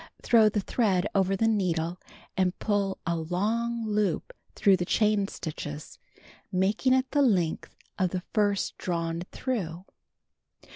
Throw the thread over the needle and pull a long loop tlirough the chain stitches, making it the length of the first drawn tlirough.